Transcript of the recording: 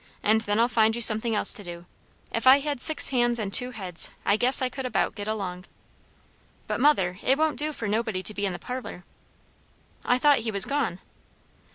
And then I'll find you something else to do. If I had six hands and two heads, I guess I could about get along." "But, mother, it won't do for nobody to be in the parlour." "I thought he was gone?"